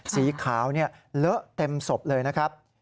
สีขาวเลอะเต็มศพเลยนะครับ